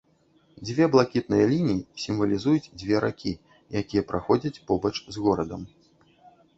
Дзве блакітныя лініі сімвалізуюць дзве ракі, якія праходзяць побач з горадам.